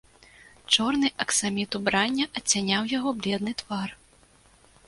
Чорны аксаміт убрання адцяняў яго бледны твар.